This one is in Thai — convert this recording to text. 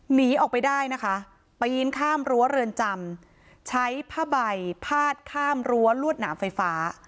หนีออกไปได้นะคะปีนข้ามรั้วเรือนจำใช้ผ้าใบพาดข้ามรั้วลวดหนามไฟฟ้า